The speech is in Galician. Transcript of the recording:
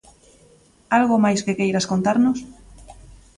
Algo máis que queiras contarnos?